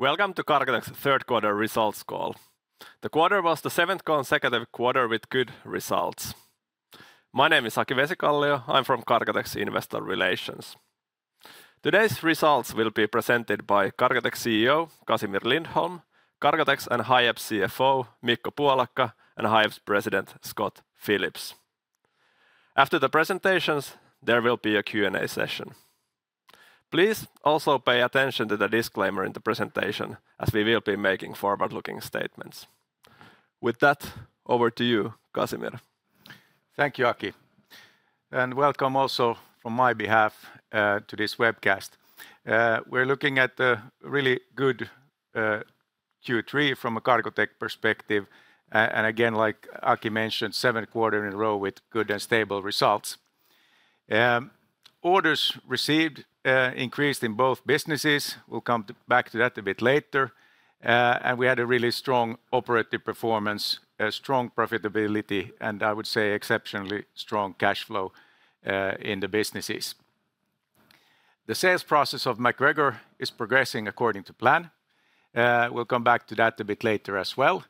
Welcome to Cargotec's Third Quarter Results Call. The quarter was the seventh consecutive quarter with good results. My name is Aki Vesikallio. I'm from Cargotec's Investor Relations. Today's results will be presented by Cargotec's CEO, Casimir Lindholm, Cargotec's and Hiab's CFO, Mikko Puolakka, and Hiab's President, Scott Phillips. After the presentations, there will be a Q&A session. Please also pay attention to the disclaimer in the presentation, as we will be making forward-looking statements. With that, over to you, Casimir. Thank you, Aki, and welcome also from my behalf to this webcast. We're looking at a really good Q3 from a Cargotec perspective, and again, like Aki mentioned, seventh quarter in a row with good and stable results. Orders received increased in both businesses. We'll come back to that a bit later. And we had a really strong operative performance, a strong profitability, and I would say exceptionally strong cash flow in the businesses. The sales process of MacGregor is progressing according to plan. We'll come back to that a bit later as well.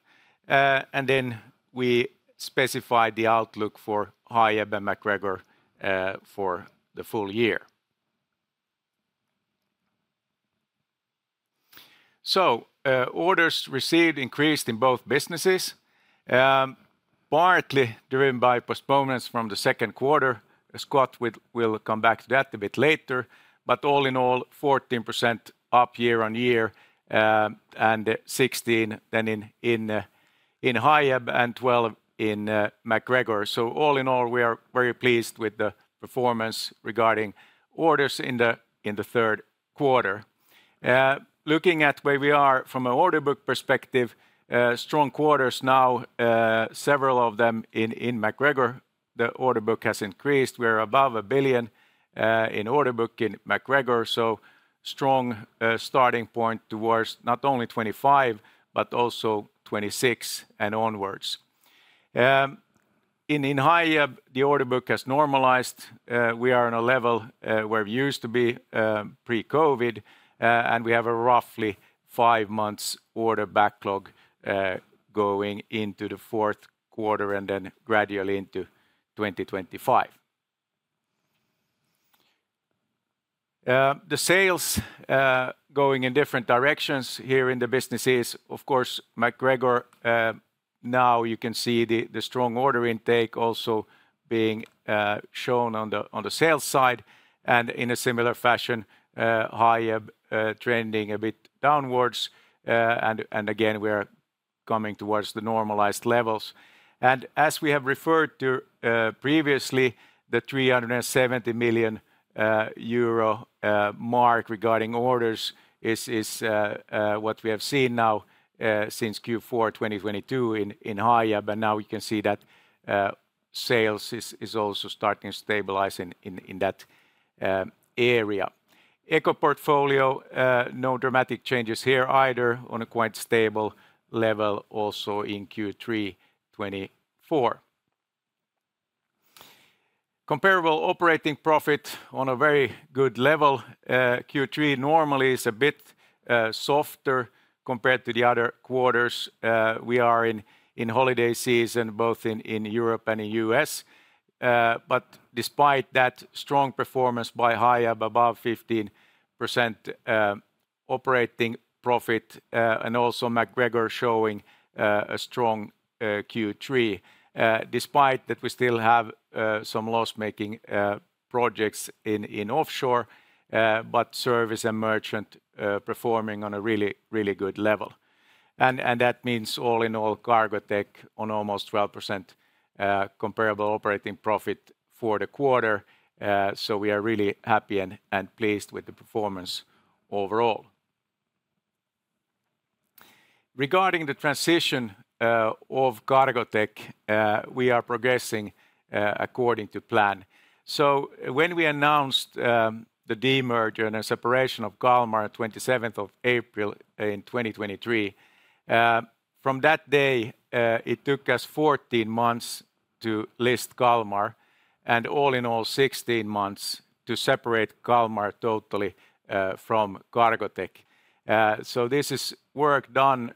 And then we specified the outlook for Hiab and MacGregor for the full year. So, orders received increased in both businesses, partly driven by postponements from the second quarter. Scott will come back to that a bit later. But all in all, 14% up year-on-year, and 16% then in Hiab and 12% in MacGregor. So all in all, we are very pleased with the performance regarding orders in the third quarter. Looking at where we are from an order book perspective, strong quarters now, several of them in MacGregor, the order book has increased. We're above 1 billion in order book in MacGregor, so strong starting point towards not only 2025, but also 2026 and onwards. In Hiab, the order book has normalized. We are on a level where we used to be pre-COVID, and we have a roughly five months order backlog going into the fourth quarter and then gradually into 2025. The sales going in different directions here in the businesses. Of course, MacGregor, now you can see the strong order intake also being shown on the sales side, and in a similar fashion, Hiab trending a bit downwards, and again, we are coming towards the normalized levels. And as we have referred to previously, the 370 million euro mark regarding orders is what we have seen now since Q4 2022 in Hiab, but now we can see that sales is also starting to stabilize in that area. Eco portfolio, no dramatic changes here either, on a quite stable level, also in Q3 2024. Comparable operating profit on a very good level. Q3 normally is a bit softer compared to the other quarters. We are in holiday season, both in Europe and in U.S., but despite that strong performance by Hiab, above 15% operating profit, and also MacGregor showing a strong Q3, despite that we still have some loss-making projects in offshore, but service and merchant performing on a really, really good level. That means all in all, Cargotec on almost 12% comparable operating profit for the quarter, so we are really happy and pleased with the performance overall. Regarding the transition of Cargotec, we are progressing according to plan. When we announced the demerger and the separation of Kalmar, twenty-seventh of April in 2023, from that day, it took us 14 months to list Kalmar, and all in all, 16 months to separate Kalmar totally from Cargotec. This is work done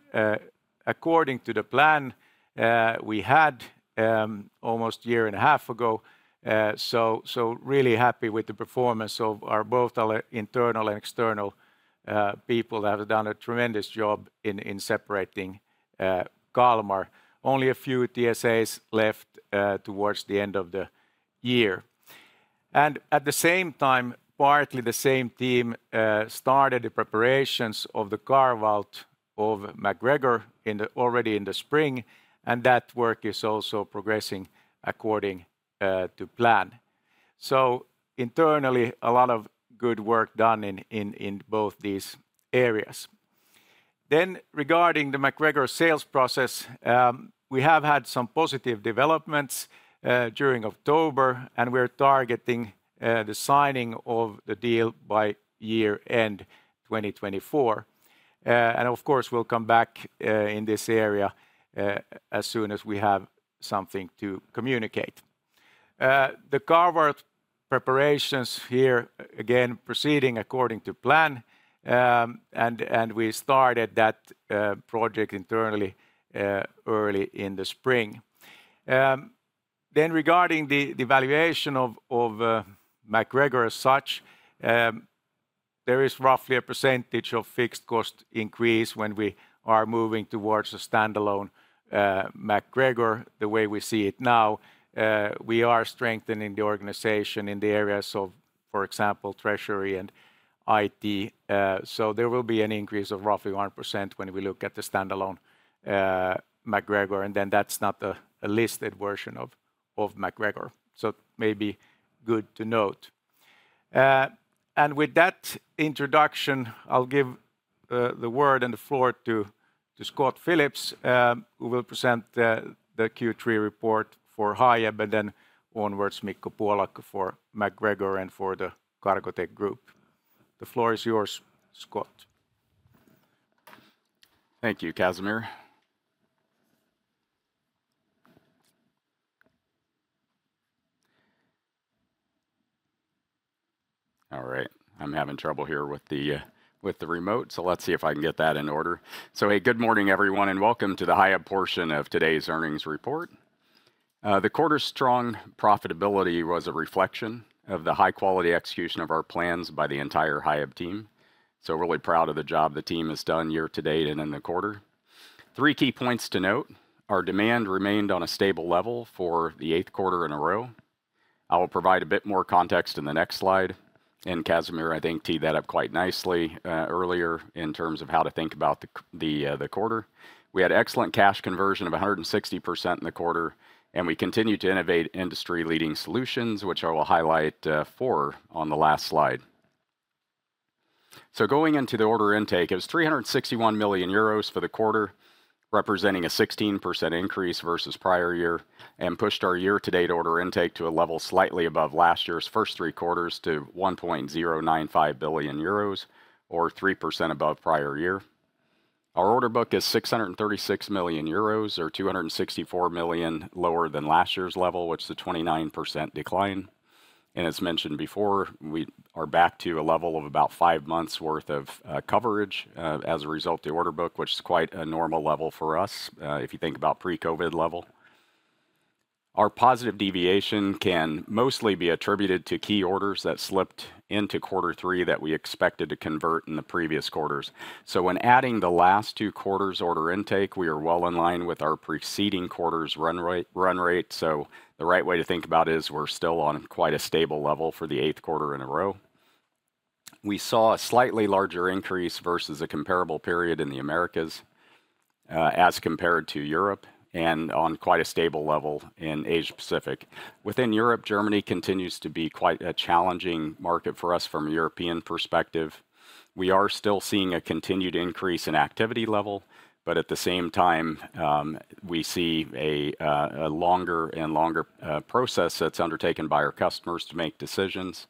according to the plan we had almost a year and a half ago, so really happy with the performance of both our internal and external people that have done a tremendous job in separating Kalmar. Only a few TSAs left towards the end of the year. At the same time, partly the same team started the preparations of the carve-out of MacGregor already in the spring, and that work is also progressing according to plan. Internally, a lot of good work done in both these areas. Regarding the MacGregor sales process, we have had some positive developments during October, and we're targeting the signing of the deal by year end 2024. Of course, we'll come back in this area as soon as we have something to communicate. The carve-out preparations here, again, proceeding according to plan. We started that project internally early in the spring. Regarding the valuation of MacGregor as such, there is roughly a percentage of fixed cost increase when we are moving towards a standalone MacGregor. The way we see it now, we are strengthening the organization in the areas of, for example, treasury and IT. So there will be an increase of roughly 1% when we look at the standalone MacGregor, and then that's not a listed version of MacGregor. So may be good to note. And with that introduction, I'll give the word and the floor to Scott Phillips, who will present the Q3 report for Hiab, but then onwards, Mikko Puolakka, for MacGregor and for the Cargotec group. The floor is yours, Scott. Thank you, Casimir. All right. I'm having trouble here with the, with the remote, so let's see if I can get that in order. So hey, good morning, everyone, and welcome to the Hiab portion of today's earnings report. The quarter's strong profitability was a reflection of the high-quality execution of our plans by the entire Hiab team, so really proud of the job the team has done year to date and in the quarter. Three key points to note: Our demand remained on a stable level for the eighth quarter in a row. I will provide a bit more context in the next slide, and Casimir, I think, teed that up quite nicely, earlier in terms of how to think about the quarter. We had excellent cash conversion of 160% in the quarter, and we continued to innovate industry-leading solutions, which I will highlight for on the last slide. Going into the order intake, it was 361 million euros for the quarter, representing a 16% increase versus prior year, and pushed our year-to-date order intake to a level slightly above last year's first three quarters to 1.095 billion euros or 3% above prior year. Our order book is 636 million euros, or 264 million lower than last year's level, which is a 29% decline. As mentioned before, we are back to a level of about five months' worth of coverage as a result of the order book, which is quite a normal level for us if you think about pre-COVID level. Our positive deviation can mostly be attributed to key orders that slipped into quarter three that we expected to convert in the previous quarters. W hen adding the last two quarters' order intake, we are well in line with our preceding quarter's run rate. The right way to think about it is we're still on quite a stable level for the eighth quarter in a row. We saw a slightly larger increase versus a comparable period in the Americas as compared to Europe, and on quite a stable level in Asia-Pacific. Within Europe, Germany continues to be quite a challenging market for us from a European perspective. We are still seeing a continued increase in activity level, but at the same time, we see a longer and longer process that's undertaken by our customers to make decisions.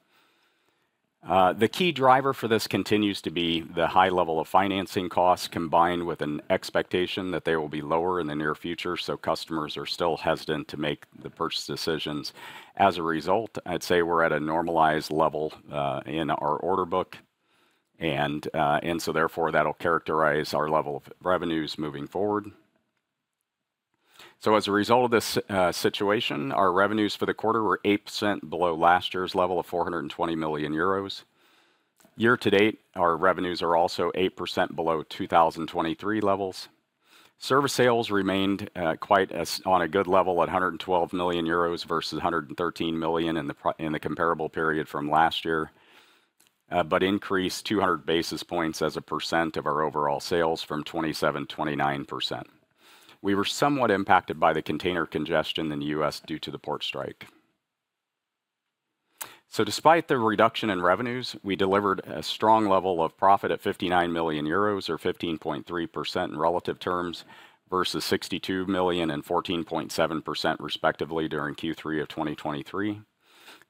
The key driver for this continues to be the high level of financing costs, combined with an expectation that they will be lower in the near future, so customers are still hesitant to make the purchase decisions. As a result, I'd say we're at a normalized level in our order book, and so therefore, that'll characterize our level of revenues moving forward, so as a result of this situation, our revenues for the quarter were 8% below last year's level of 420 million euros. Year to date, our revenues are also 8% below 2023 levels. Service sales remained on a good level at 112 million euros versus 113 million in the comparable period from last year, but increased 200 basis points as a percent of our overall sales from 27%-29%. We were somewhat impacted by the container congestion in the U.S. due to the port strike. So despite the reduction in revenues, we delivered a strong level of profit at 59 million euros or 15.3% in relative terms versus 62 million and 14.7% respectively during Q3 of 2023.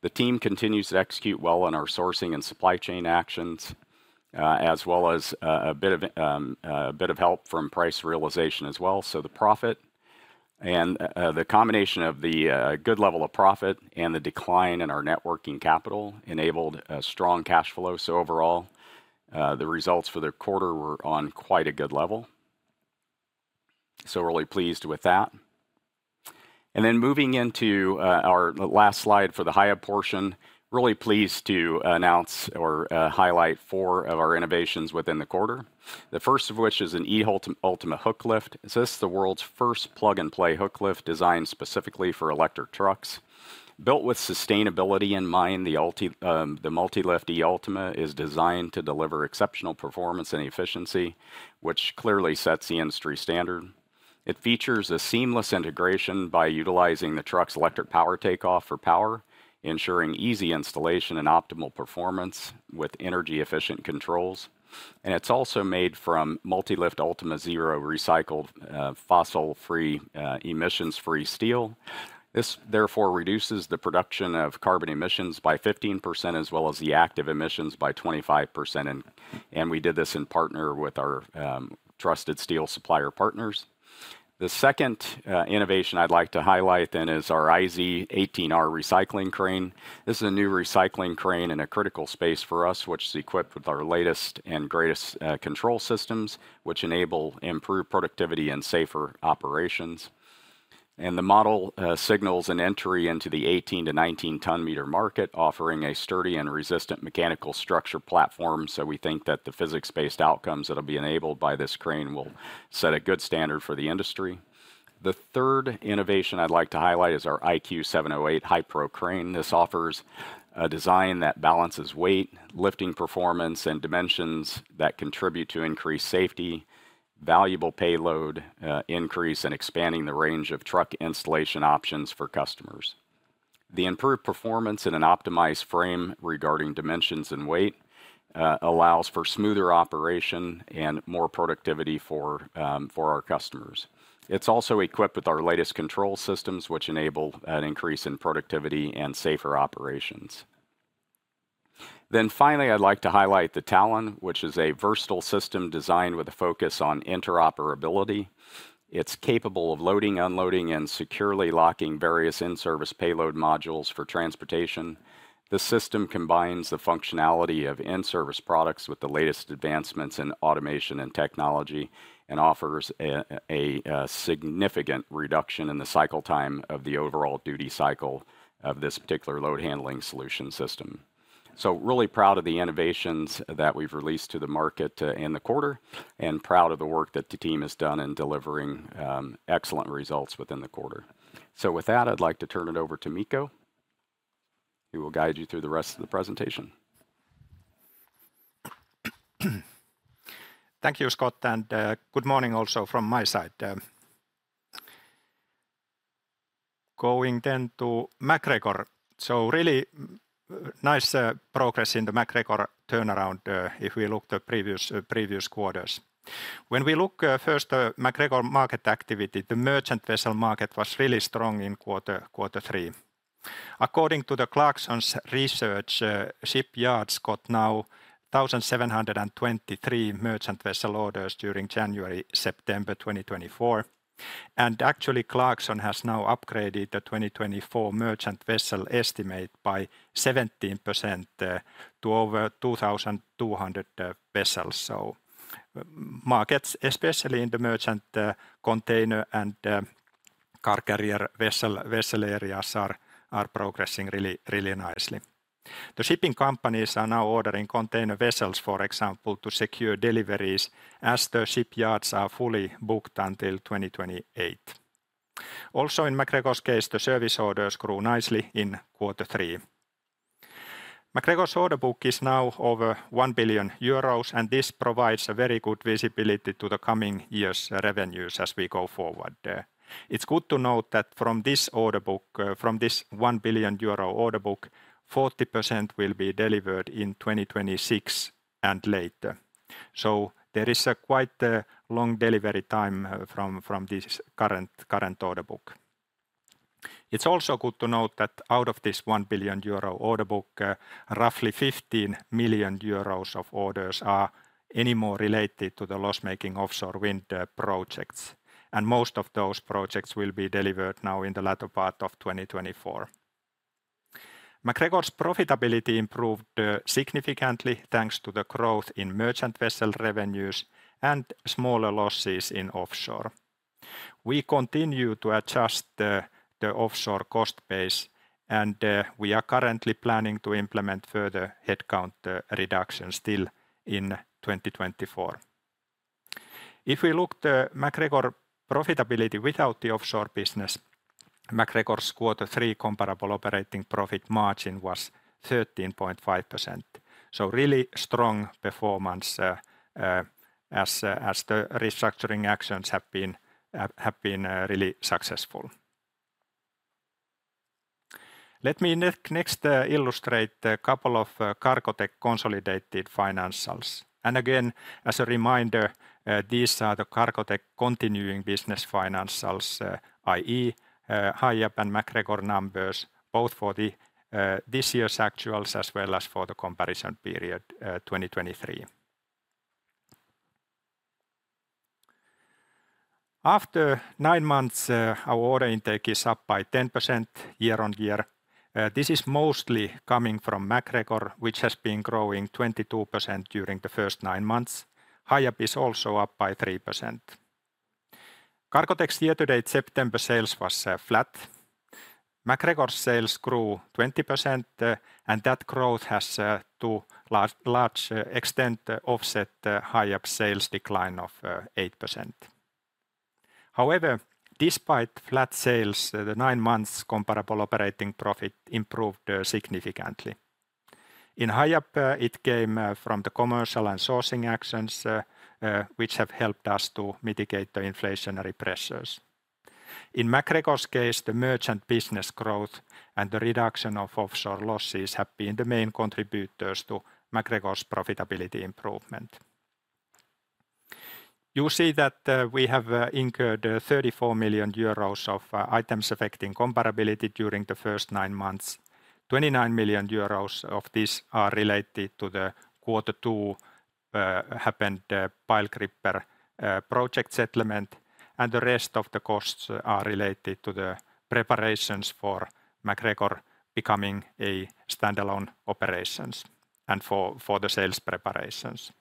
The team continues to execute well on our sourcing and supply chain actions, as well as a bit of help from price realization as well. So the profit and the combination of the good level of profit and the decline in our net working capital enabled a strong cash flow. So overall, the results for the quarter were on quite a good level. So we're really pleased with that. And then moving into our last slide for the Hiab portion, really pleased to announce or highlight four of our innovations within the quarter. The first of which is a Multilift eUltima hooklift. This is the world's first plug-and-play hooklift designed specifically for electric trucks. Built with sustainability in mind, the Multilift eUltima is designed to deliver exceptional performance and efficiency, which clearly sets the industry standard. It features a seamless integration by utilizing the truck's electric power take-off for power, ensuring easy installation and optimal performance with energy-efficient controls, and it's also made from Multilift eUltima Zero recycled, fossil-free, emissions-free steel. This therefore reduces the production of carbon emissions by 15%, as well as the active emissions by 25%, and we did this in partnership with our trusted steel supplier partners. The second innovation I'd like to highlight then is our iZ.18R recycling crane. This is a new recycling crane in a critical space for us, which is equipped with our latest and greatest control systems, which enable improved productivity and safer operations. And the model signals an entry into the 18-19 ton-meter market, offering a sturdy and resistant mechanical structure platform, so we think that the physics-based outcomes that will be enabled by this crane will set a good standard for the industry. The third innovation I'd like to highlight is our iQ.708 HiPro crane. This offers a design that balances weight, lifting performance, and dimensions that contribute to increased safety, valuable payload, increase, and expanding the range of truck installation options for customers. The improved performance in an optimized frame regarding dimensions and weight allows for smoother operation and more productivity for our customers. It's also equipped with our latest control systems, which enable an increase in productivity and safer operations. Then finally, I'd like to highlight the Talon, which is a versatile system designed with a focus on interoperability. It's capable of loading, unloading, and securely locking various in-service payload modules for transportation. This system combines the functionality of in-service products with the latest advancements in automation and technology, and offers a significant reduction in the cycle time of the overall duty cycle of this particular load handling solution system. So really proud of the innovations that we've released to the market, in the quarter, and proud of the work that the team has done in delivering, excellent results within the quarter. So with that, I'd like to turn it over to Mikko, who will guide you through the rest of the presentation. Thank you, Scott, and good morning also from my side. Going then to MacGregor. So really nice progress in the MacGregor turnaround if we look the previous previous quarters. When we look first at MacGregor market activity, the merchant vessel market was really strong in quarter quarter three. According to the Clarksons Research, shipyards got now 1,723 merchant vessel orders during January-September 2024. And actually, Clarksons has now upgraded the 2024 merchant vessel estimate by 17% to over 2,200 vessels. So markets, especially in the merchant container and car carrier vessel vessel areas are progressing really really nicely. The shipping companies are now ordering container vessels, for example, to secure deliveries as the shipyards are fully booked until 2028. Also, in MacGregor's case, the service orders grew nicely in quarter three. MacGregor's order book is now over 1 billion euros, and this provides a very good visibility to the coming years' revenues as we go forward. It's good to note that from this order book, from this 1 billion euro order book, 40% will be delivered in 2026 and later. So there is a quite long delivery time from this current order book. It's also good to note that out of this 1 billion euro order book, roughly 15 million euros of orders are any more related to the loss-making offshore wind projects, and most of those projects will be delivered now in the latter part of 2024. MacGregor's profitability improved significantly, thanks to the growth in merchant vessel revenues and smaller losses in offshore. We continue to adjust the offshore cost base, and we are currently planning to implement further headcount reductions still in 2024. If we look the MacGregor profitability without the offshore business, MacGregor's quarter three comparable operating profit margin was 13.5%. So really strong performance, as the restructuring actions have been really successful. Let me next illustrate a couple of Cargotec consolidated financials. And again, as a reminder, these are the Cargotec continuing business financials, i.e., Hiab and MacGregor numbers, both for this year's actuals as well as for the comparison period, 2023. After nine months, our order intake is up by 10% year-on-year. This is mostly coming from MacGregor, which has been growing 22% during the first nine months. Hiab is also up by 3%. Cargotec's year-to-date September sales was flat. MacGregor's sales grew 20%, and that growth has to large extent offset the Hiab sales decline of 8%. However, despite flat sales, the nine months comparable operating profit improved significantly. In Hiab, it came from the commercial and sourcing actions, which have helped us to mitigate the inflationary pressures. In MacGregor's case, the merchant business growth and the reduction of offshore losses have been the main contributors to MacGregor's profitability improvement. You see that we have incurred 34 million euros of items affecting comparability during the first nine months. 29 million euros of this are related to the quarter two-... happened, the pile gripper project settlement, and the rest of the costs are related to the preparations for MacGregor becoming a standalone operations and for the sales preparations.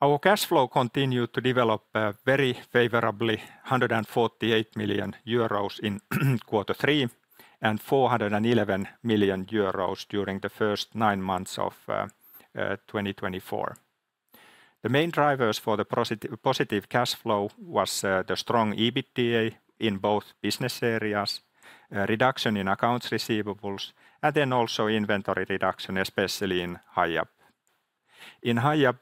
Our cash flow continued to develop very favorably, 148 million euros in quarter three, and 411 million euros during the first nine months of 2024. The main drivers for the positive cash flow was the strong EBITDA in both business areas, reduction in accounts receivables, and then also inventory reduction, especially in Hiab. In Hiab,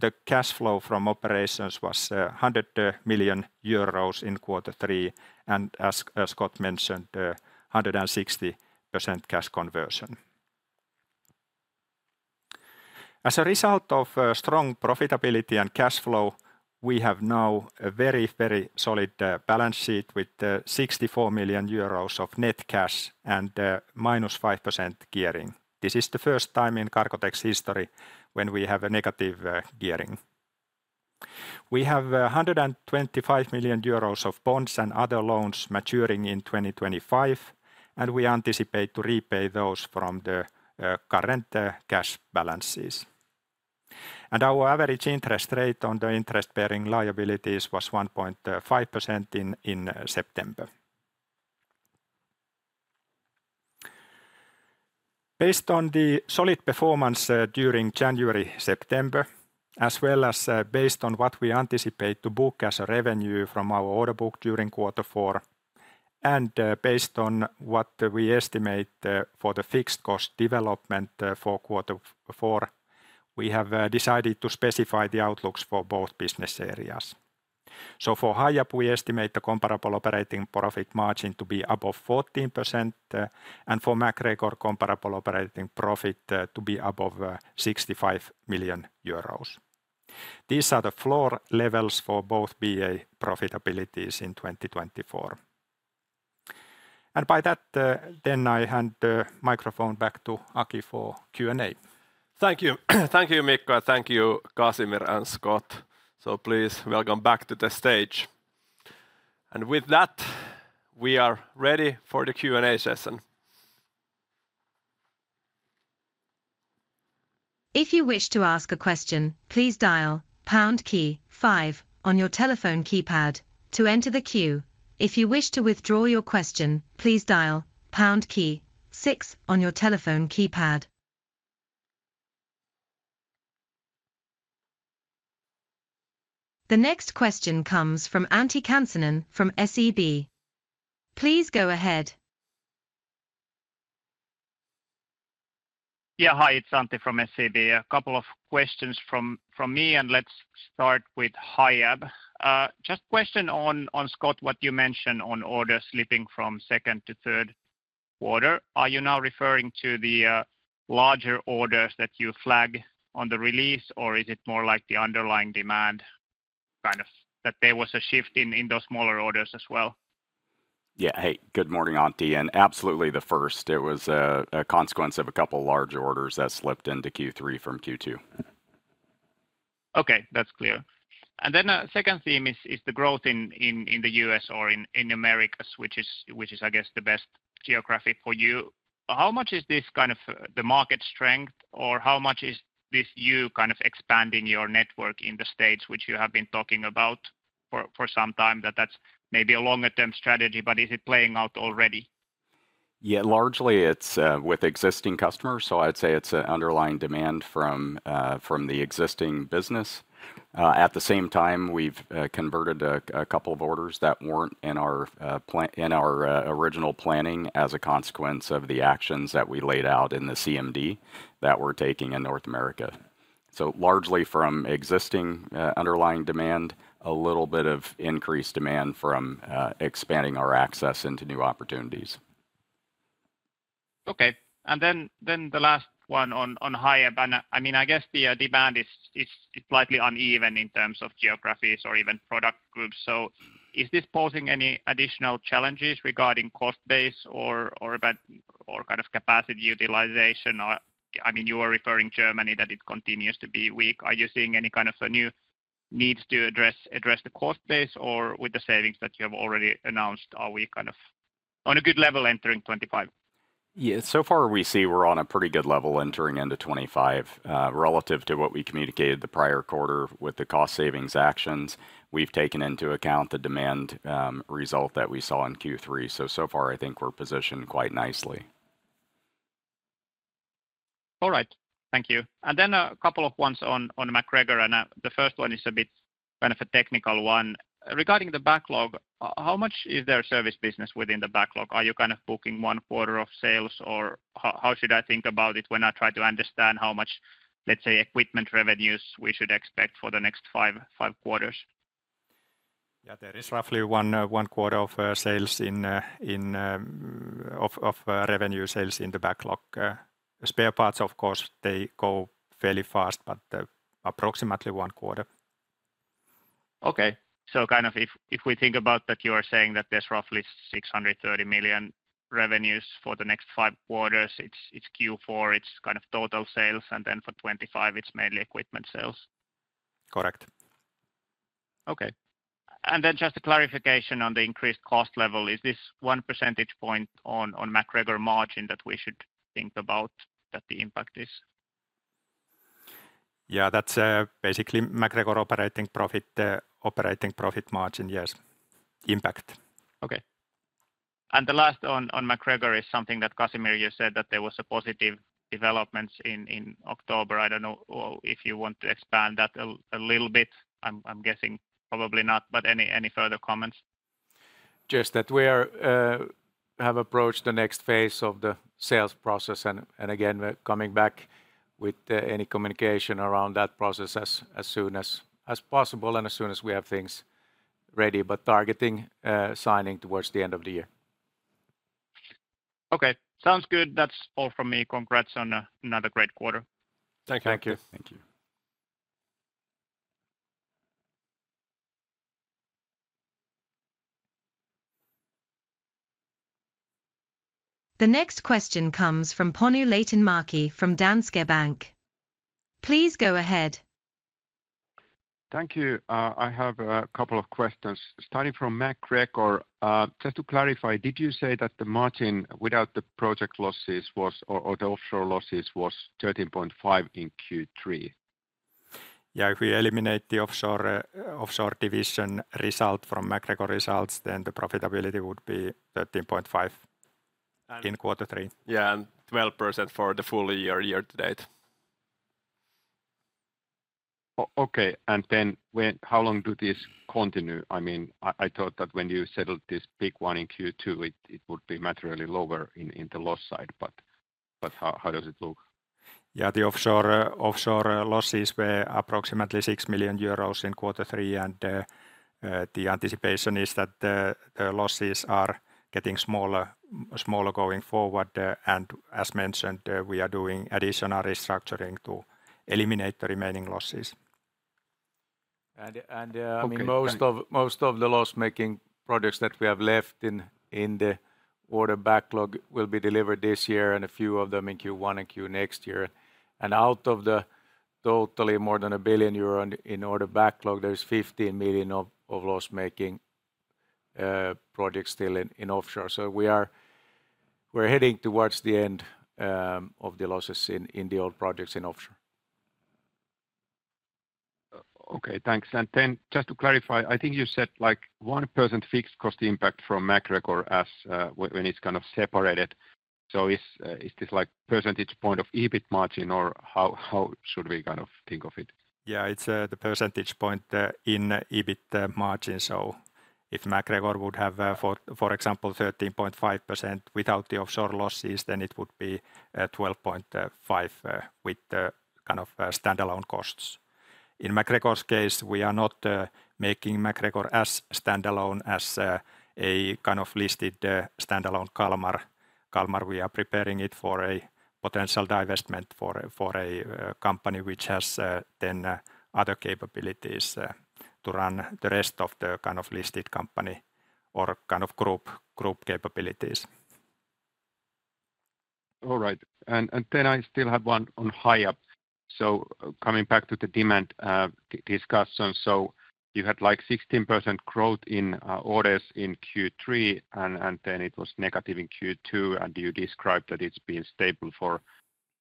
the cash flow from operations was 100 million euros in quarter three, and as Scott mentioned, 160% cash conversion. As a result of strong profitability and cash flow, we have now a very, very solid balance sheet with 64 million euros of net cash and -5% gearing. This is the first time in Cargotec's history when we have a negative gearing. We have 125 million euros of bonds and other loans maturing in 2025, and we anticipate to repay those from the current cash balances, and our average interest rate on the interest-bearing liabilities was 1.5% in September. Based on the solid performance during January-September, as well as based on what we anticipate to book as a revenue from our order book during quarter four, and based on what we estimate for the fixed cost development for quarter four, we have decided to specify the outlooks for both business areas. So for Hiab, we estimate the comparable operating profit margin to be above 14%, and for MacGregor, comparable operating profit to be above 65 million euros. These are the floor levels for both BA profitabilities in 2024. And by that, then I hand the microphone back to Aki for Q&A. Thank you. Thank you, Mikko, and thank you, Casimir and Scott. So please, welcome back to the stage. And with that, we are ready for the Q&A session. If you wish to ask a question, please dial pound key five on your telephone keypad to enter the queue. If you wish to withdraw your question, please dial pound key six on your telephone keypad. The next question comes from Antti Kansanen from SEB. Please go ahead. Yeah, hi, it's Antti from SEB. A couple of questions from me, and let's start with Hiab. Just question on Scott, what you mentioned on orders slipping from second to third quarter. Are you now referring to the larger orders that you flag on the release, or is it more like the underlying demand, kind of, that there was a shift in those smaller orders as well? Yeah. Hey, good morning, Antti, and absolutely the first. It was a consequence of a couple large orders that slipped into Q3 from Q2. Okay, that's clear. Yeah. And then a second theme is the growth in the U.S. or in Americas, which is, I guess, the best geography for you. How much is this kind of the market strength, or how much is this you kind of expanding your network in the States, which you have been talking about for some time, that that's maybe a longer-term strategy, but is it playing out already? Yeah, largely it's with existing customers, so I'd say it's an underlying demand from the existing business. At the same time, we've converted a couple of orders that weren't in our plan in our original planning as a consequence of the actions that we laid out in the CMD that we're taking in North America, so largely from existing underlying demand, a little bit of increased demand from expanding our access into new opportunities. Okay, and then the last one on Hiab. And, I mean, I guess the demand is slightly uneven in terms of geographies or even product groups. So is this posing any additional challenges regarding cost base or about or kind of capacity utilization, or? I mean, you are referring to Germany, that it continues to be weak. Are you seeing any kind of a new needs to address the cost base, or with the savings that you have already announced, are we kind of on a good level entering 2025? Yeah. So far, we see we're on a pretty good level entering into 2025. Relative to what we communicated the prior quarter with the cost savings actions, we've taken into account the demand result that we saw in Q3. So, so far, I think we're positioned quite nicely. All right. Thank you. And then a couple of ones on MacGregor, and the first one is a bit kind of a technical one. Regarding the backlog, how much is their service business within the backlog? Are you kind of booking one quarter of sales, or how should I think about it when I try to understand how much, let's say, equipment revenues we should expect for the next five quarters? Yeah, there is roughly one quarter of revenue sales in the backlog. Spare parts, of course, they go fairly fast, but approximately one quarter. Okay, so kind of if we think about that, you are saying that there's roughly 630 million revenues for the next five quarters. It's Q4, it's kind of total sales, and then for 2025, it's mainly equipment sales? Correct. Okay. And then just a clarification on the increased cost level. Is this one percentage point on MacGregor margin that we should think about, that the impact is? Yeah, that's basically MacGregor operating profit, operating profit margin, yes, impact. Okay. And the last on MacGregor is something that, Casimir, you said that there was a positive developments in October. I don't know, well, if you want to expand that a little bit. I'm guessing probably not, but any further comments? Just that we have approached the next phase of the sales process, and again, we're coming back with any communication around that process as soon as we have things ready, but targeting signing towards the end of the year. Okay. Sounds good. That's all from me. Congrats on another great quarter. Thank you. Thank you. Thank you. The next question comes from Panu Laitinmäki from Danske Bank. Please go ahead. Thank you. I have a couple of questions. Starting from MacGregor, just to clarify, did you say that the margin without the project losses was... or, or the offshore losses was 13.5 in Q3? Yeah, if we eliminate the offshore division result from MacGregor results, then the profitability would be 13.5% in quarter three. Yeah, and 12% for the full year, year-to-date. Okay, and then how long does this continue? I mean, I thought that when you settled this big one in Q2, it would be materially lower in the loss side, but how does it look? Yeah, the offshore losses were approximately 6 million euros in quarter three, and the anticipation is that the losses are getting smaller going forward. And as mentioned, we are doing additional restructuring to eliminate the remaining losses. And, and, uh- Okay... most of the loss-making projects that we have left in the order backlog will be delivered this year, and a few of them in Q1 and Q next year. And out of the totally more than 1 billion euro in order backlog, there is 15 million of loss-making projects still in offshore. So we're heading towards the end of the losses in the old projects in offshore. Okay, thanks. And then just to clarify, I think you said, like, 1% fixed cost impact from MacGregor as when it's kind of separated. So is this like percentage point of EBIT margin, or how should we kind of think of it? Yeah, it's the percentage point in EBIT margin. So if MacGregor would have, for example, 13.5% without the offshore losses, then it would be 12.5% with the kind of standalone costs. In MacGregor's case, we are not making MacGregor as standalone, as a kind of listed standalone Kalmar. Kalmar, we are preparing it for a potential divestment for a company which has then other capabilities to run the rest of the kind of listed company or kind of group capabilities. All right. And then I still have one on Hiab. Coming back to the demand discussion, you had, like, 16% growth in orders in Q3, and then it was negative in Q2, and you described that it's been stable for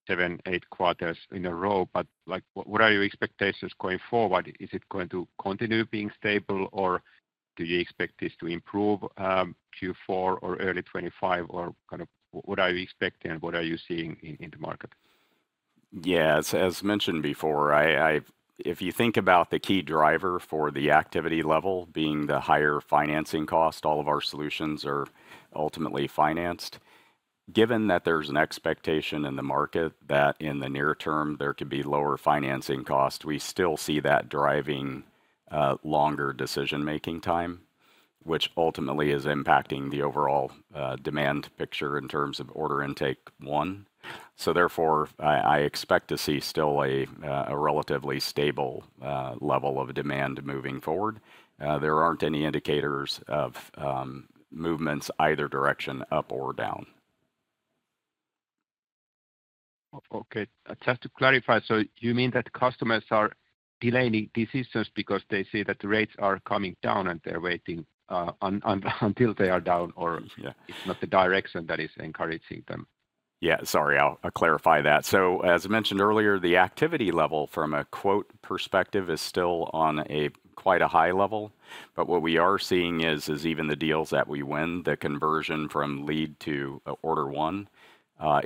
seven, eight quarters in a row. But, like, what are your expectations going forward? Is it going to continue being stable, or do you expect this to improve Q4 or early 2025? Or kind of what are you expecting and what are you seeing in the market? Yeah, as mentioned before, if you think about the key driver for the activity level being the higher financing cost, all of our solutions are ultimately financed. Given that there's an expectation in the market that in the near term there could be lower financing costs, we still see that driving longer decision-making time, which ultimately is impacting the overall demand picture in terms of order intake one. So therefore, I expect to see still a relatively stable level of demand moving forward. There aren't any indicators of movements either direction, up or down. Okay, just to clarify, so you mean that customers are delaying decisions because they see that the rates are coming down, and they're waiting until they are down, or? Yeah... it's not the direction that is encouraging them? Yeah, sorry, I'll clarify that. So, as mentioned earlier, the activity level from a quote perspective is still on quite a high level, but what we are seeing is even the deals that we win, the conversion from lead to order one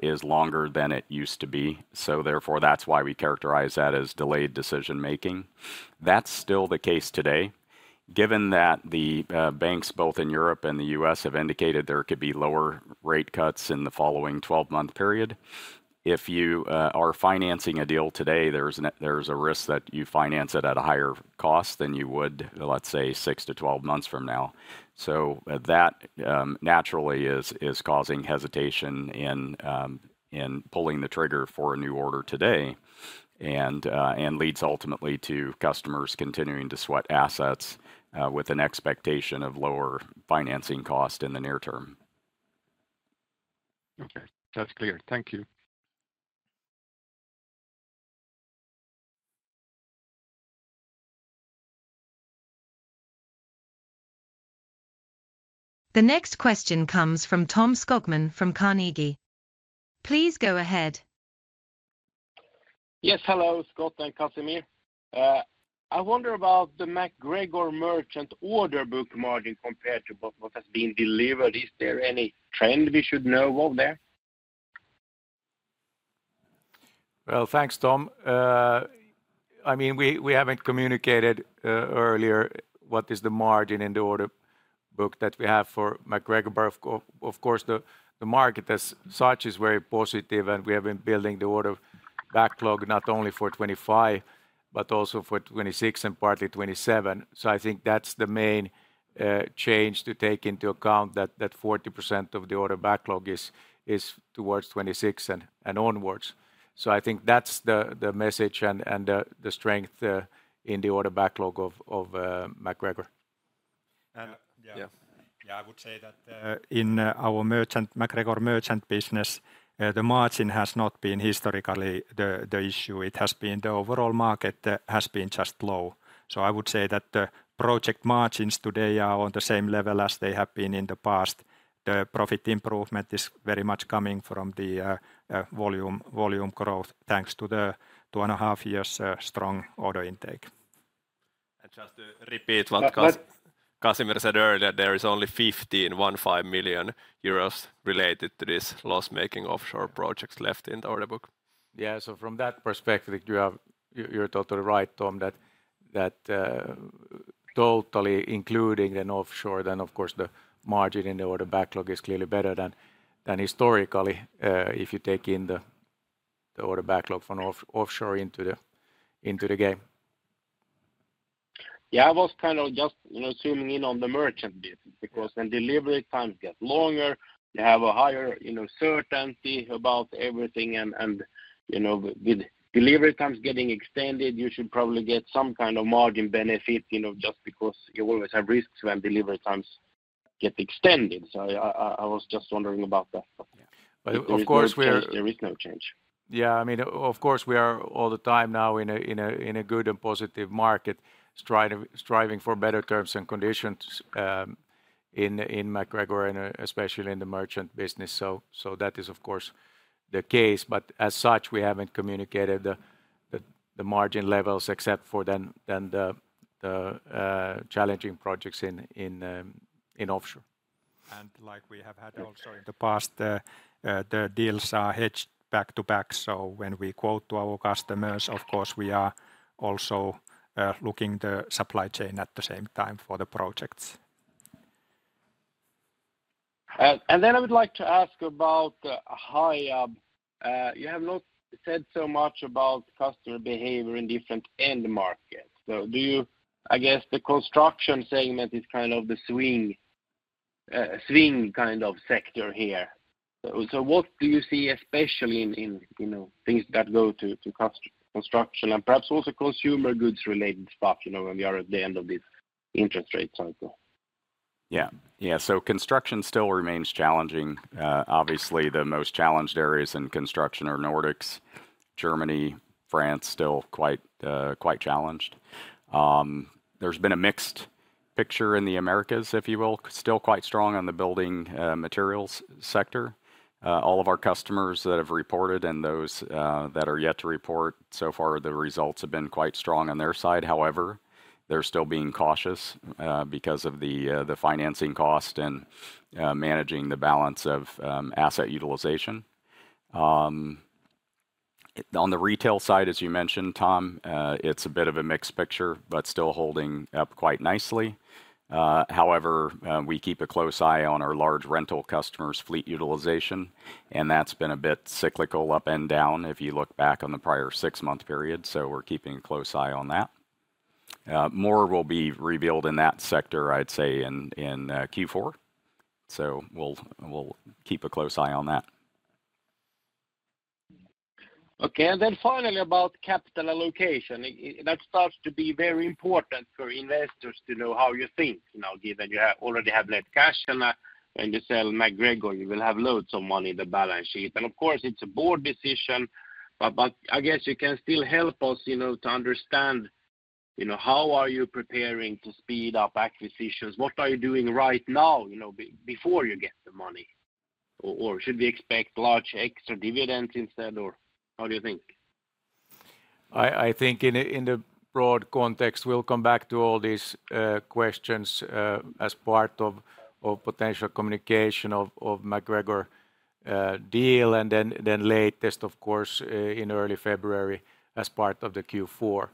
is longer than it used to be. So therefore, that's why we characterize that as delayed decision-making. That's still the case today. Given that the banks, both in Europe and the U.S., have indicated there could be lower rate cuts in the following 12-month period, if you are financing a deal today, there's a risk that you finance it at a higher cost than you would, let's say, six to 12 months from now. So that naturally is causing hesitation in pulling the trigger for a new order today, and leads ultimately to customers continuing to sweat assets, with an expectation of lower financing cost in the near term.... Okay, that's clear. Thank you. The next question comes from Tom Skogman from Carnegie. Please go ahead. Yes, hello, Scott and Casimir. I wonder about the MacGregor merchant order book margin compared to what, what has been delivered. Is there any trend we should know of there? Thanks, Tom. I mean, we haven't communicated earlier what is the margin in the order book that we have for MacGregor, but of course, the market as such is very positive, and we have been building the order backlog not only for 2025, but also for 2026 and partly 2027. So I think that's the main change to take into account that 40% of the order backlog is towards 2026 and onwards. So I think that's the message and the strength in the order backlog of MacGregor. And- Year. Yeah, I would say that in our MacGregor merchant business, the margin has not been historically the issue. It has been the overall market has been just low. So I would say that the project margins today are on the same level as they have been in the past. The profit improvement is very much coming from the volume growth, thanks to the two and a half years strong order intake. Just to repeat what Casimir said earlier, there is only 15 million euros related to this loss-making offshore projects left in the order book. Yeah, so from that perspective, you have... You're totally right, Tom, that totally including an offshore, then of course, the margin in the order backlog is clearly better than historically, if you take in the order backlog from offshore into the game. Yeah, I was kind of just, you know, zooming in on the merchant business, because when delivery times get longer, you have a higher, you know, certainty about everything and with delivery times getting extended, you should probably get some kind of margin benefit, you know, just because you always have risks when delivery times get extended. So I was just wondering about that. But of course we're- There is no change. Yeah, I mean, of course, we are all the time now in a good and positive market, striving for better terms and conditions in MacGregor and especially in the merchant business. So that is, of course, the case, but as such, we haven't communicated the margin levels except for then the challenging projects in offshore. And like we have had also in the past, the deals are hedged back to back. So when we quote to our customers, of course, we are also looking the supply chain at the same time for the projects. And then I would like to ask about the Hiab. You have not said so much about customer behavior in different end markets. So do you—I guess, the construction segment is kind of the swing kind of sector here. So what do you see, especially in, you know, things that go to construction and perhaps also consumer goods-related stuff, you know, when we are at the end of this interest rate cycle? Yeah, Yeah. So construction still remains challenging. Obviously, the most challenged areas in construction are Nordics, Germany, France, still quite challenged. There's been a mixed picture in the Americas, if you will. Still quite strong on the building materials sector. All of our customers that have reported and those that are yet to report, so far, the results have been quite strong on their side. However, they're still being cautious because of the financing cost and managing the balance of asset utilization. On the retail side, as you mentioned, Tom, it's a bit of a mixed picture, but still holding up quite nicely. However, we keep a close eye on our large rental customers' fleet utilization, and that's been a bit cyclical, up and down, if you look back on the prior six-month period, so we're keeping a close eye on that. More will be revealed in that sector, I'd say, in Q4. So we'll keep a close eye on that. Okay, and then finally, about capital allocation. That starts to be very important for investors to know how you think, you know, given you already have net cash, and when you sell MacGregor, you will have loads of money in the balance sheet. And of course, it's a board decision, but I guess you can still help us, you know, to understand, you know, how are you preparing to speed up acquisitions? What are you doing right now, you know, before you get the money? Or should we expect large extra dividends instead, or how do you think? I think in the broad context, we'll come back to all these questions as part of potential communication of MacGregor deal, and then latest, of course, in early February as part of the Q4.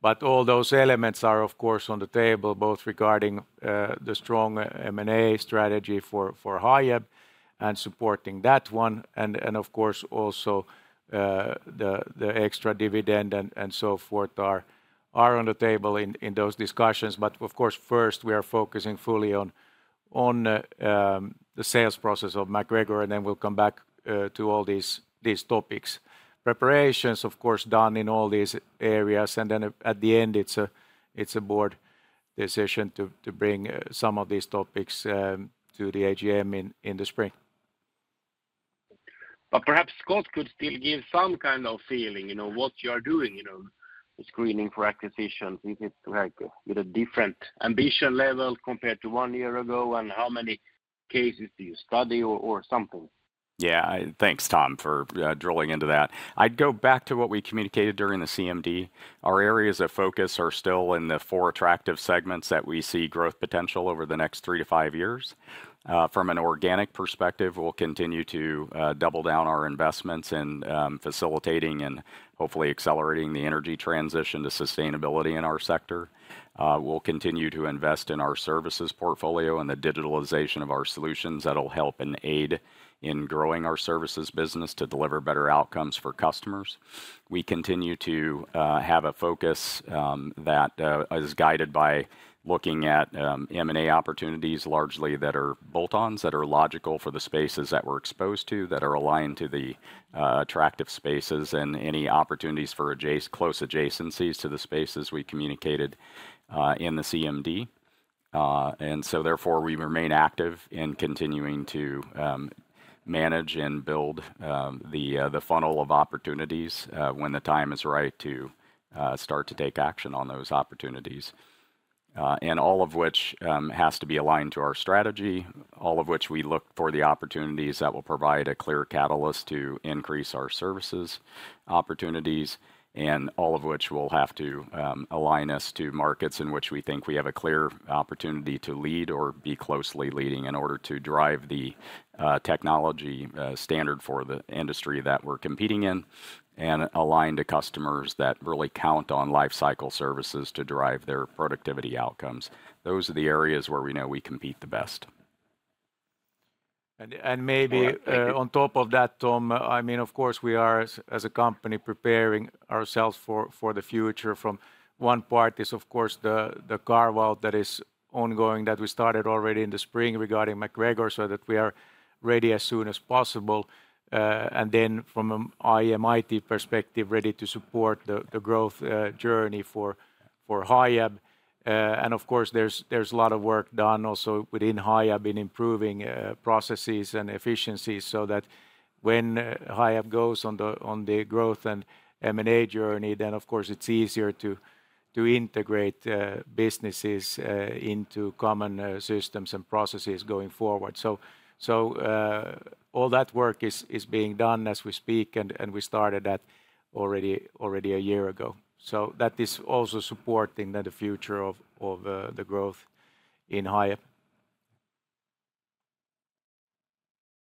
But all those elements are, of course, on the table, both regarding the strong M&A strategy for Hiab and supporting that one, and of course also the extra dividend and so forth are on the table in those discussions. But of course, first, we are focusing fully on the sales process of MacGregor, and then we'll come back to all these topics. Preparations, of course, done in all these areas, and then at the end, it's a board-... decision to bring some of these topics to the AGM in the spring. Perhaps Scott could still give some kind of feeling, you know, what you are doing, you know, screening for acquisitions. Is it, like, with a different ambition level compared to one year ago, and how many cases do you study or something? Yeah. Thanks, Tom, for drilling into that. I'd go back to what we communicated during the CMD. Our areas of focus are still in the four attractive segments that we see growth potential over the next three to five years. From an organic perspective, we'll continue to double down our investments in facilitating and hopefully accelerating the energy transition to sustainability in our sector. We'll continue to invest in our services portfolio and the digitalization of our solutions that'll help and aid in growing our services business to deliver better outcomes for customers. We continue to have a focus that is guided by looking at M&A opportunities, largely that are bolt-ons, that are logical for the spaces that we're exposed to, that are aligned to the attractive spaces, and any opportunities for close adjacencies to the spaces we communicated in the CMD, and so therefore, we remain active in continuing to manage and build the funnel of opportunities when the time is right to start to take action on those opportunities. And all of which has to be aligned to our strategy, all of which we look for the opportunities that will provide a clear catalyst to increase our services, opportunities, and all of which will have to align us to markets in which we think we have a clear opportunity to lead or be closely leading, in order to drive the technology standard for the industry that we're competing in, and align to customers that really count on life cycle services to derive their productivity outcomes. Those are the areas where we know we compete the best. And maybe Thank you... on top of that, Tom, I mean, of course, we are as a company, preparing ourselves for the future. From one part is, of course, the carve-out that is ongoing, that we started already in the spring regarding MacGregor, so that we are ready as soon as possible. And then from an IT perspective, ready to support the growth journey for Hiab. And of course, there's a lot of work done also within Hiab in improving processes and efficiencies, so that when Hiab goes on the growth and M&A journey, then of course it's easier to integrate businesses into common systems and processes going forward. So all that work is being done as we speak, and we started that already a year ago. So that is also supporting the future of the growth in Hiab.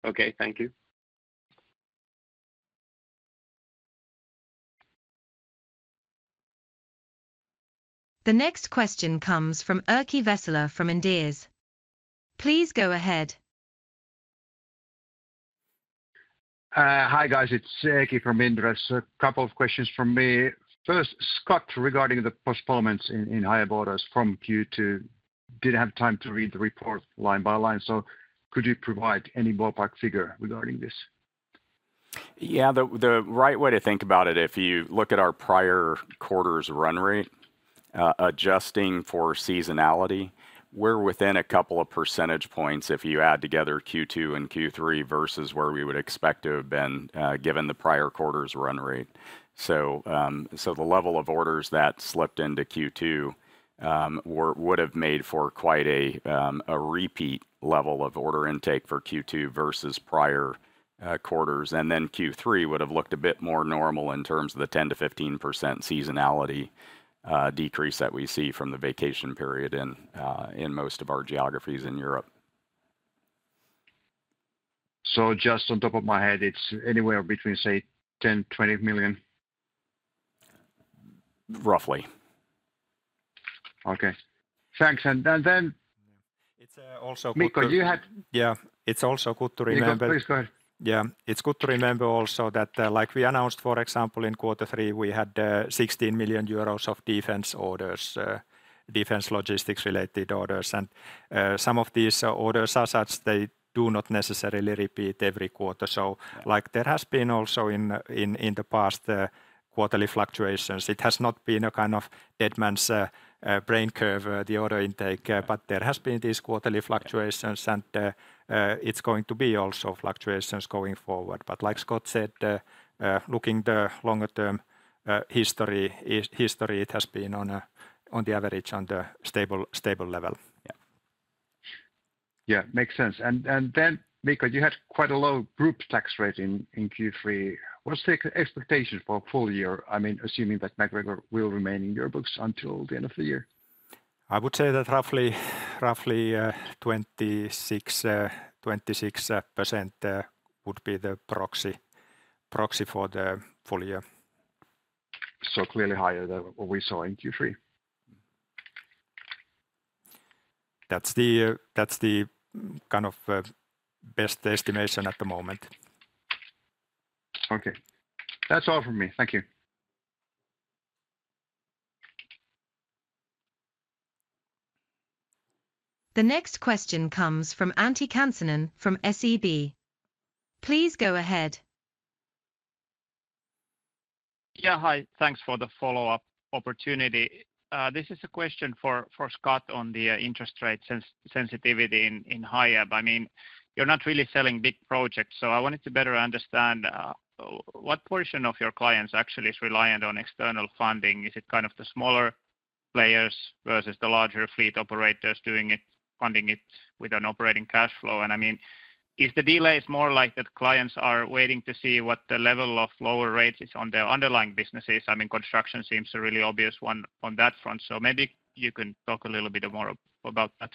Okay, thank you. The next question comes from Erkki Vesola from Inderes. Please go ahead. Hi, guys, it's Erkki from Inderes. A couple of questions from me. First, Scott, regarding the postponements in Hiab orders from Q2, didn't have time to read the report line by line, so could you provide any ballpark figure regarding this? Yeah, the right way to think about it, if you look at our prior quarter's run rate, adjusting for seasonality, we're within a couple of percentage points, if you add together Q2 and Q3, versus where we would expect to have been, given the prior quarter's run rate. So, the level of orders that slipped into Q2 would have made for quite a repeat level of order intake for Q2 versus prior quarters, and then Q3 would have looked a bit more normal in terms of the 10%-15% seasonality decrease that we see from the vacation period in most of our geographies in Europe. So just off the top of my head, it's anywhere between, say, 10 million-20 million? Roughly. Okay, thanks. And then- It's also good to- Mikko, you had- Yeah, it's also good to remember- Mikko, please go ahead. Yeah. It's good to remember also that, like we announced, for example, in quarter three, we had 16 million euros of defense orders, defense logistics-related orders. And some of these orders are such, they do not necessarily repeat every quarter. So, like, there has been also in the past quarterly fluctuations. It has not been a kind of dead man's brain curve the order intake, but there has been these quarterly fluctuations, and it's going to be also fluctuations going forward. But like Scott said, looking the longer term history, it has been on the average on the stable level. Yeah. Yeah, makes sense. And then Mika, you had quite a low group tax rate in Q3. What is the expectation for full year? I mean, assuming that MacGregor will remain in your books until the end of the year. I would say that roughly 26% would be the proxy for the full year. So clearly higher than what we saw in Q3? That's kind of the best estimation at the moment. Okay. That's all from me. Thank you. The next question comes from Antti Kansanen from SEB. Please go ahead. Yeah, hi. Thanks for the follow-up opportunity. This is a question for Scott on the interest rate sensitivity in Hiab. I mean, you're not really selling big projects, so I wanted to better understand what portion of your clients actually is reliant on external funding? Is it kind of the smaller players versus the larger fleet operators doing it, funding it with an operating cash flow? And I mean, if the delay is more like that clients are waiting to see what the level of lower rates is on their underlying businesses, I mean, construction seems a really obvious one on that front. So maybe you can talk a little bit more about that.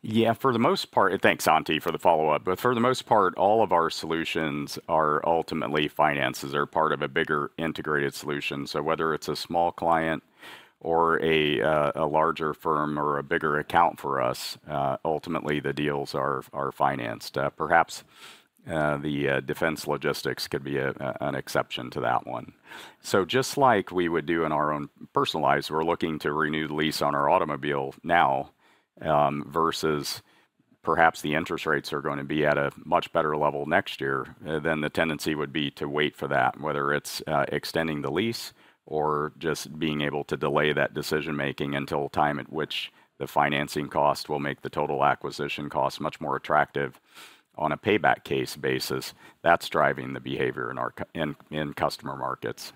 Yeah, for the most part. Thanks, Santi, for the follow-up. But for the most part, all of our solutions are ultimately financed. They're part of a bigger integrated solution. So whether it's a small client or a larger firm or a bigger account for us, ultimately, the deals are financed. Perhaps the defense logistics could be an exception to that one. So just like we would do in our own personal lives, we're looking to renew the lease on our automobile now, versus perhaps the interest rates are gonna be at a much better level next year, then the tendency would be to wait for that, whether it's extending the lease or just being able to delay that decision-making until time at which the financing cost will make the total acquisition cost much more attractive on a payback case basis. That's driving the behavior in our customer markets.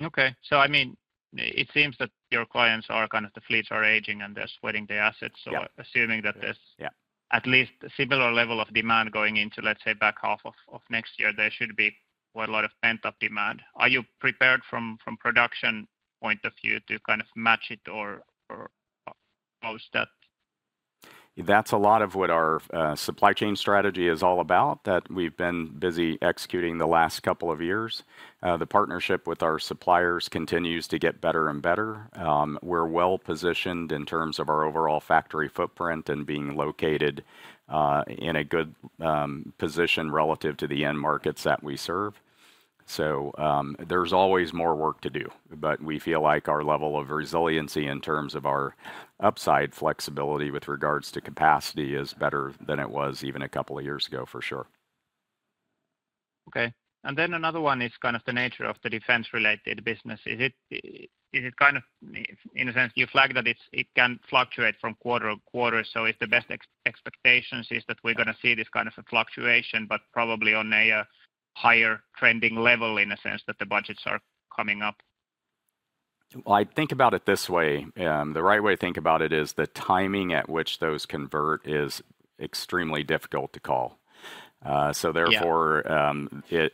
Okay, so I mean, it seems that your clients are kind of the fleets are aging, and they're sweating the assets. Yeah. So assuming that there's- Yeah... at least a similar level of demand going into, let's say, back half of next year, there should be quite a lot of pent-up demand. Are you prepared from production point of view to kind of match it or post that? That's a lot of what our supply chain strategy is all about, that we've been busy executing the last couple of years. The partnership with our suppliers continues to get better and better. We're well-positioned in terms of our overall factory footprint and being located in a good position relative to the end markets that we serve. So, there's always more work to do, but we feel like our level of resiliency in terms of our upside flexibility with regards to capacity is better than it was even a couple of years ago, for sure. Okay. And then another one is kind of the nature of the defense-related business. Is it kind of, in a sense, you flag that it can fluctuate from quarter to quarter, so if the best expectations is that we're gonna see this kind of a fluctuation, but probably on a higher trending level in a sense that the budgets are coming up? I think about it this way, the right way to think about it is the timing at which those convert is extremely difficult to call. So therefore- Yeah...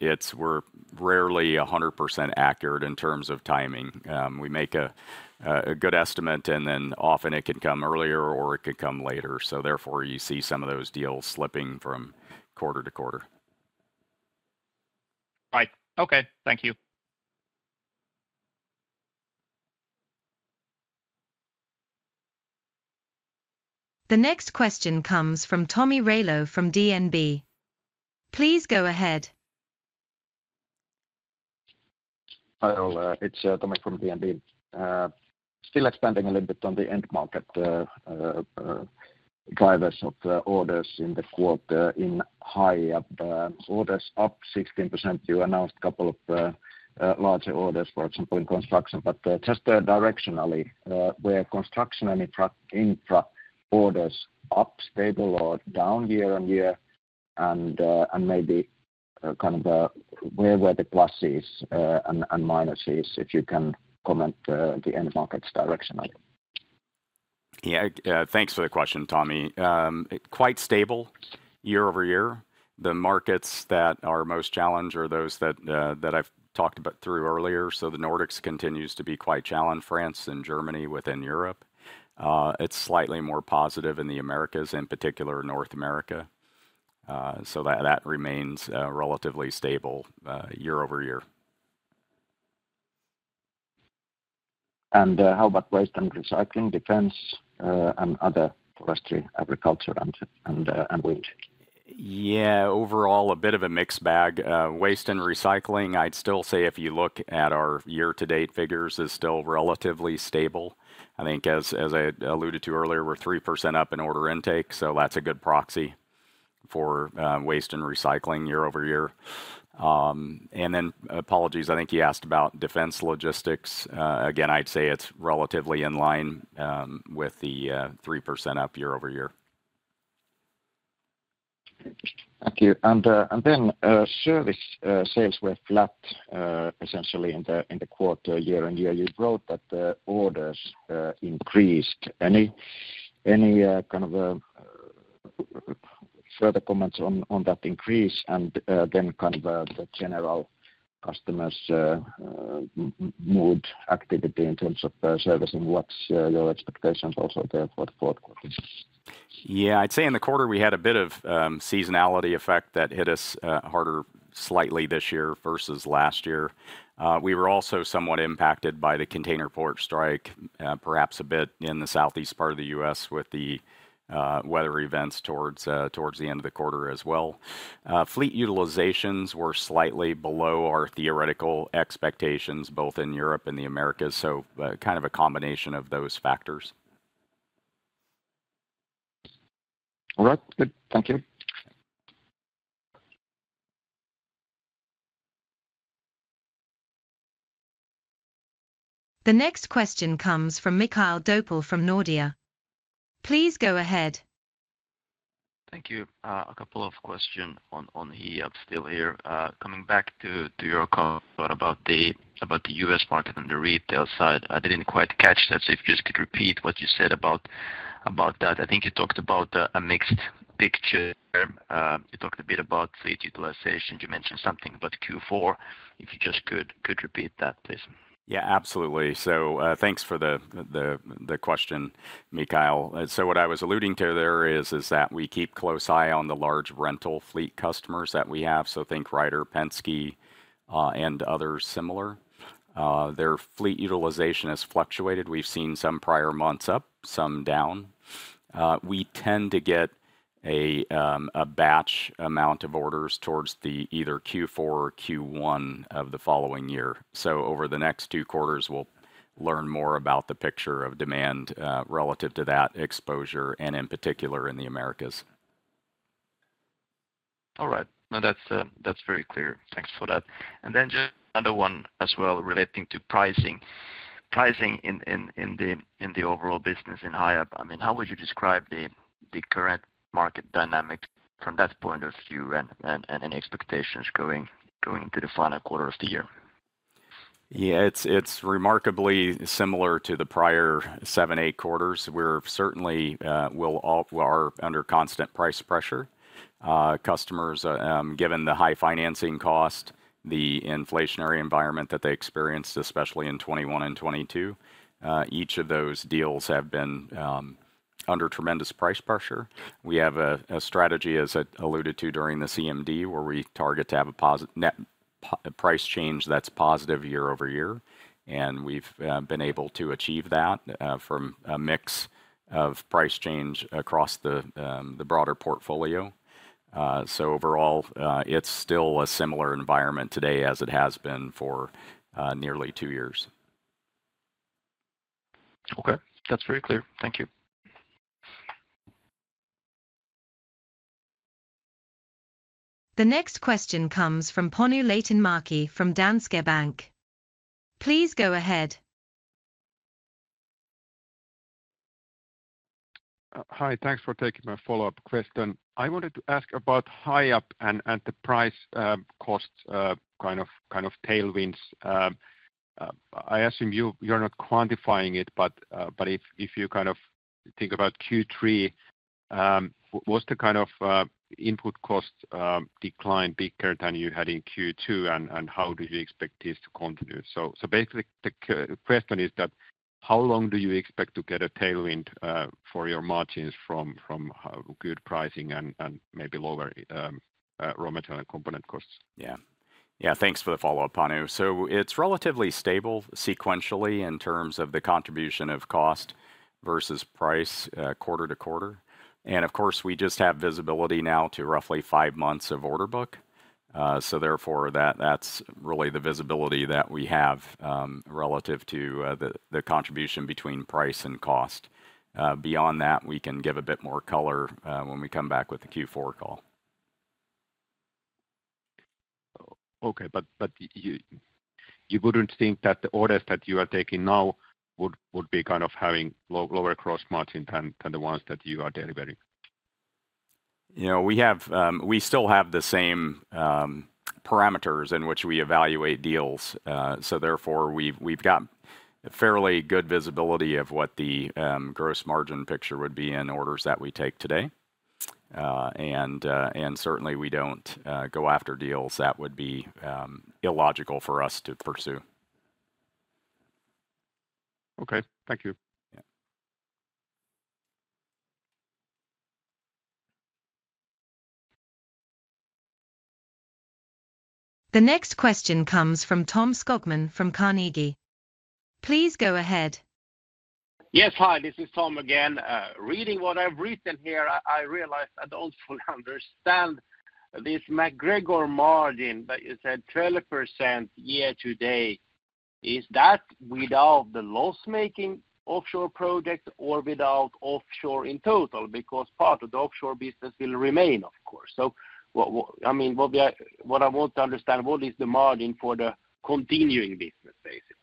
It's. We're rarely 100% accurate in terms of timing. We make a good estimate, and then often it can come earlier or it could come later. So therefore, you see some of those deals slipping from quarter to quarter. Right. Okay, thank you. The next question comes from Tommi Railo from DNB. Please go ahead. Hi, all. It's Tommi from DNB. Still expanding a little bit on the end market drivers of the orders in the quarter in Hiab, orders up 16%. You announced a couple of larger orders, for example, in construction. But just directionally, where construction and infra orders up, stable or down year-on-year, and maybe kind of where were the pluses and minuses, if you can comment the end markets direction? Thanks for the question, Tommi. Quite stable year-over-year. The markets that are most challenged are those that I've talked about through earlier. So the Nordics continues to be quite challenged, France and Germany within Europe. It's slightly more positive in the Americas, in particular, North America. So that remains relatively stable year-over-year. How about waste and recycling, defense, and other forestry, agriculture, and wind? Yeah, overall, a bit of a mixed bag. Waste and recycling, I'd still say if you look at our year-to-date figures, is still relatively stable. I think as, as I alluded to earlier, we're 3% up in order intake, so that's a good proxy for waste and recycling year-over-year. And then apologies, I think you asked about defense logistics. Again, I'd say it's relatively in line with the 3% up year-over-year. Thank you. And then service sales were flat, essentially in the quarter, year-on-year. You wrote that the orders increased. Any kind of further comments on that increase? And then kind of the general customers mood, activity in terms of servicing, what's your expectations also there for the fourth quarter? I'd say in the quarter, we had a bit of seasonality effect that hit us harder slightly this year versus last year. We were also somewhat impacted by the container port strike, perhaps a bit in the southeast part of the U.S., with the weather events towards the end of the quarter as well. Fleet utilizations were slightly below our theoretical expectations, both in Europe and the Americas, so kind of a combination of those factors. All right, good. Thank you. The next question comes from Mikael Doepel from Nordea. Please go ahead. Thank you. A couple of questions on the upside here. Coming back to your comment about the U.S. market and the retail side, I didn't quite catch that. So if you just could repeat what you said about that. I think you talked about a mixed picture. You talked a bit about fleet utilization. You mentioned something about Q4. If you just could repeat that, please. Yeah, absolutely. So, thanks for the question, Mikhail. So what I was alluding to there is that we keep close eye on the large rental fleet customers that we have. So think Ryder, Penske, and others similar. Their fleet utilization has fluctuated. We've seen some prior months up, some down. We tend to get a batch amount of orders towards the either Q4 or Q1 of the following year. So over the next two quarters, we'll learn more about the picture of demand relative to that exposure, and in particular, in the Americas. All right. No, that's very clear. Thanks for that. And then just another one as well relating to pricing. Pricing in the overall business in Hiab, I mean, how would you describe the current market dynamic from that point of view and expectations going into the final quarter of the year? Yeah, it's remarkably similar to the prior seven, eight quarters, where certainly we'll all. We are under constant price pressure. Customers, given the high financing cost, the inflationary environment that they experienced, especially in 2021 and 2022, each of those deals have been under tremendous price pressure. We have a strategy, as I alluded to during the CMD, where we target to have a positive net price change that's positive year-over-year, and we've been able to achieve that from a mix of price change across the broader portfolio. So overall, it's still a similar environment today as it has been for nearly two years. Okay. That's very clear. Thank you. The next question comes from Panu Laitinmäki from Danske Bank. Please go ahead. Hi. Thanks for taking my follow-up question. I wanted to ask about Hiab and the price, cost, kind of tailwinds. I assume you're not quantifying it, but if you kind of think about Q3, was the kind of input cost decline bigger than you had in Q2? And how do you expect this to continue? So basically, the question is that, how long do you expect to get a tailwind for your margins from good pricing and maybe lower raw material and component costs? Thanks for the follow-up, Panu. So it's relatively stable sequentially in terms of the contribution of cost versus price, quarter to quarter. And of course, we just have visibility now to roughly five months of order book. So therefore, that's really the visibility that we have, relative to, the, the contribution between price and cost. Beyond that, we can give a bit more color, when we come back with the Q4 call. Okay, but you wouldn't think that the orders that you are taking now would be kind of having lower gross margin than the ones that you are delivering? You know, we have. We still have the same parameters in which we evaluate deals. So therefore, we've got fairly good visibility of what the gross margin picture would be in orders that we take today. And certainly, we don't go after deals that would be illogical for us to pursue. Okay. Thank you. The next question comes from Tom Skogman from Carnegie. Please go ahead. Yes, hi, this is Tom again. Reading what I've written here, I realize I don't fully understand this MacGregor margin, but you said 12% year to date. Is that without the loss-making offshore project or without offshore in total? Because part of the offshore business will remain, of course. So I mean, what I want to understand, what is the margin for the continuing business, basically?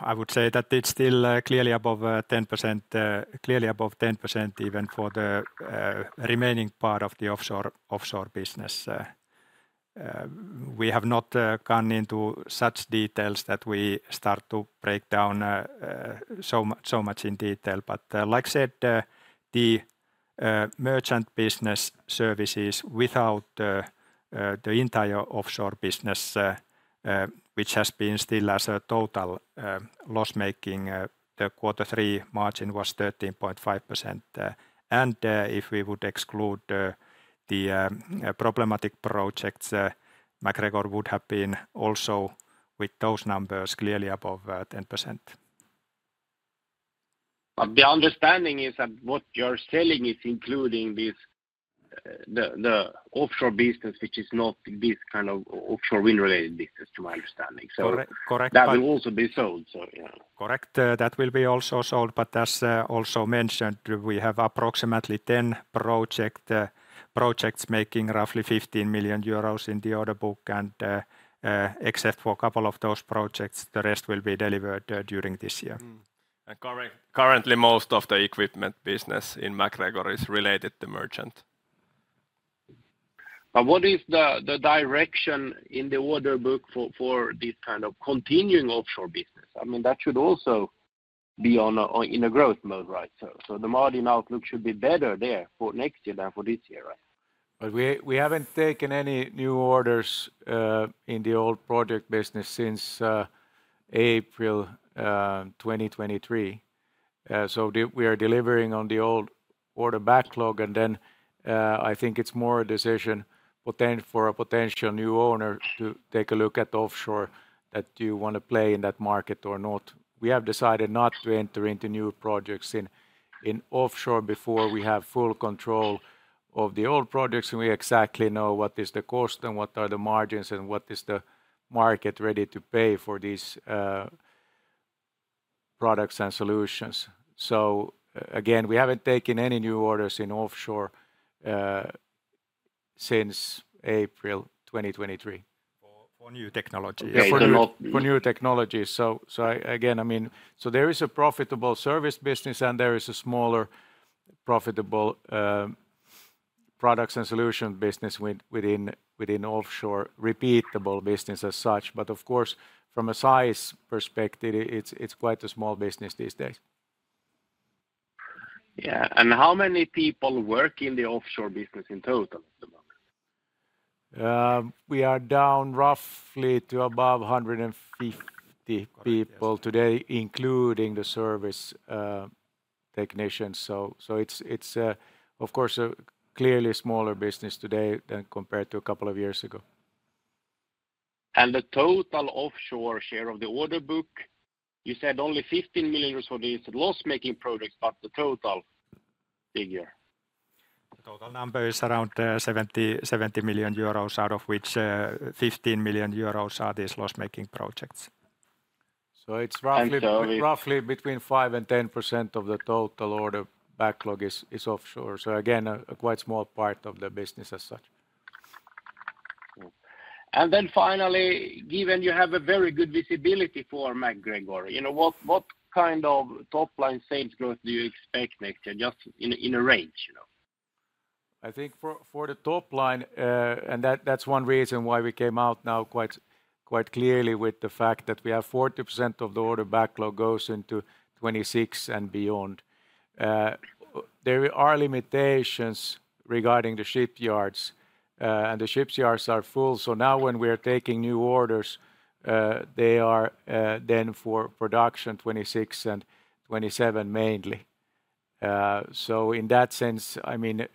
I would say that it's still clearly above 10%, even for the remaining part of the offshore business. We have not gone into such details that we start to break down so much in detail. But like I said, the merchant business services without the entire offshore business, which has been still as a total loss-making, the quarter three margin was 13.5%. And if we would exclude the problematic projects, MacGregor would have been also with those numbers clearly above 10%. But the understanding is that what you're selling is including the offshore business, which is not this kind of offshore wind-related business, to my understanding, so- Correct, correct- That will also be sold, so yeah. Correct. That will be also sold, but as also mentioned, we have approximately 10 projects making roughly 15 million euros in the order book. Except for a couple of those projects, the rest will be delivered during this yea. And currently, most of the equipment business in MacGregor is related to merchant. But what is the direction in the order book for this kind of continuing offshore business? I mean, that should also be in a growth mode, right? So the margin outlook should be better there for nextyear than for this year, right? But we haven't taken any new orders in the old project business since April twenty twenty-three. We are delivering on the old order backlog, and then I think it's more a decision for a potential new owner to take a look at offshore, that do you wanna play in that market or not? We have decided not to enter into new projects in offshore before we have full control of the old projects, and we exactly know what is the cost and what are the margins, and what is the market ready to pay for these products and solutions. So again, we haven't taken any new orders in offshore since April twenty twenty-three. For new technology. For new technologies. So again, I mean... So there is a profitable service business, and there is a smaller, profitable products and solution business within offshore, repeatable business as such. But of course, from a size perspective, it's quite a small business these days. Yeah, and how many people work in the offshore business in total at the moment? We are down roughly to above 150- Correct, yes... people today, including the service technicians. So it's, of course, a clearly smaller business today than compared to a couple of years ago. The total offshore share of the order book, you said only 15 million for these loss-making projects, but the total figure? The total number is around 70 million euros, out of which 15 million euros are these loss-making projects. So it's roughly- And so we-... roughly between 5% and 10% of the total order backlog is offshore. So again, a quite small part of the business as such. Cool, and then finally, given you have a very good visibility for MacGregor, you know, what kind of top-line sales growth do you expect next year, just in a range, you know? I think for the top line, and that's one reason why we came out now quite clearly with the fact that we have 40% of the order backlog goes into 2026 and beyond. There are limitations regarding the shipyards, and the shipyards are full. So now when we are taking new orders, they are then for production 2026 and 2027 mainly. So in that sense, I mean,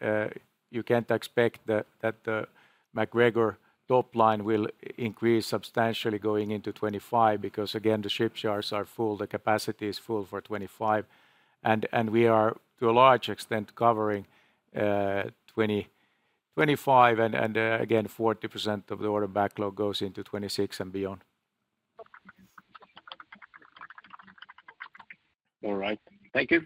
you can't expect that the MacGregor top line will increase substantially going into 2025, because again, the shipyards are full, the capacity is full for 2025. And we are, to a large extent, covering 2025, and again, 40% of the order backlog goes into 2026 and beyond. All right. Thank you.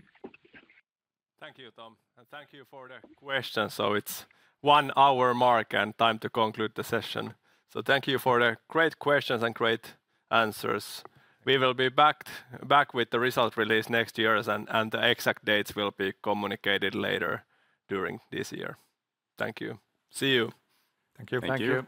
Thank you, Tom, and thank you for the questions. So it's one-hour mark and time to conclude the session. So thank you for the great questions and great answers. We will be back with the result release next year, and the exact dates will be communicated later during this year. Thank you. See you. Thank you. Thank you.